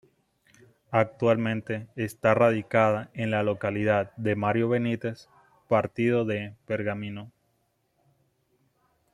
Actualmente está radicada en la localidad de Mariano Benítez, partido de Pergamino.